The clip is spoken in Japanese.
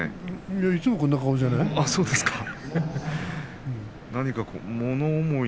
いや、いつもこんな顔じゃない？